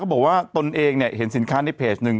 เขาบอกว่าตนเองเห็นสินค้าในเพจหนึ่ง